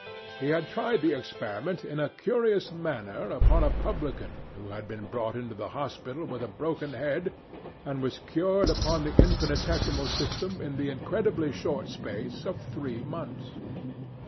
He had tried the experiment in a curious manner upon a publican who had been brought into the hospital with a broken head, and was cured upon the infinitesimal system in the incredibly short space of three months.